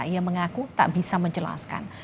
ia mengaku tak bisa menjelaskan